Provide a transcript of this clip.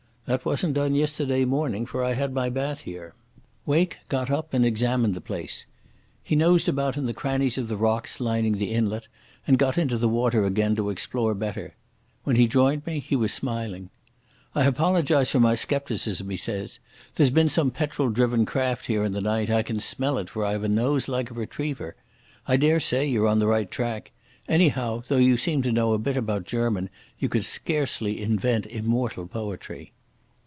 "That wasn't done yesterday morning, for I had my bath here." Wake got up and examined the place. He nosed about in the crannies of the rocks lining the inlet, and got into the water again to explore better. When he joined me he was smiling. "I apologise for my scepticism," he said. "There's been some petrol driven craft here in the night. I can smell it, for I've a nose like a retriever. I daresay you're on the right track. Anyhow, though you seem to know a bit about German, you could scarcely invent immortal poetry."